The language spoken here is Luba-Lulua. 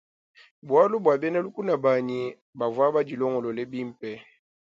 Bualu bua bena lukuna banyi bavua badilongolole bimpe.